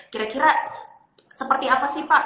kira kira seperti apa sih pak